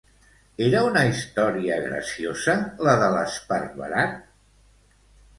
Era una història graciosa la de l'Esparverat?